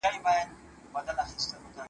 د مُلا په عدالت کي د حق چیغه یم په دار یم .